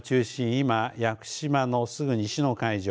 今、屋久島のすぐ西の海上